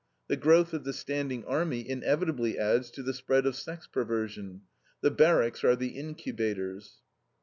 The growth of the standing army inevitably adds to the spread of sex perversion; the barracks are the incubators.